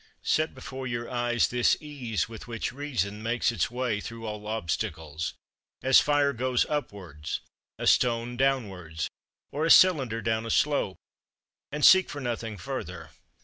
Set before your eyes this ease with which reason makes its way through all obstacles, as fire goes upwards, a stone downwards, or a cylinder down a slope, and seek for nothing further.